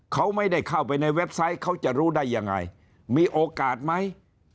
เขาไม่ได้เข้าไปในเว็บไซต์เขาจะรู้ได้ยังไงมีโอกาสไหม